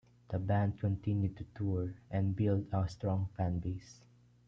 The band continued to tour, and build a strong fanbase.